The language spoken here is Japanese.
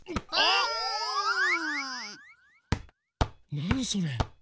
なにそれ？